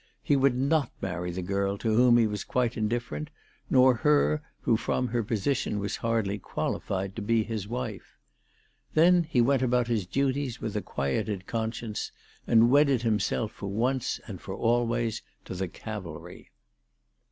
He would not marry the girl to whom he was quite indif ferent, nor her who from her position was hardly qualified to be his wife. Then he went about his duties with a quieted conscience, and wedded himself for once and for always to the Cavalry.